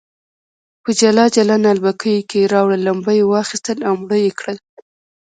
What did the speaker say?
په جلا جلا نعلبکیو کې راوړل، لمبه یې واخیستل او مړه یې کړل.